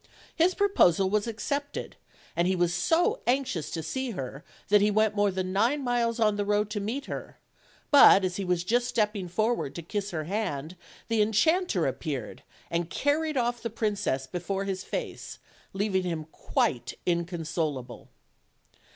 His proposal was accepted, and he was so anxious to see her that he went more than nine miles on the road to meet her; but as he was just stepping forward to kiss her^hand the enchanter appeared, and carried off the princess before his face, leaving him quite inconsolable.